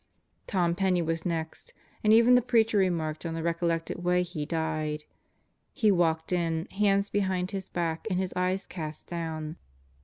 ... Tom Penney was next, and even, the Preacher remarked on the recollected way he died. He walked in, hands behind his back and his eyes cast down.